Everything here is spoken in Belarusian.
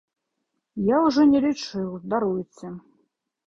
Я ўжо не лічыў, даруйце.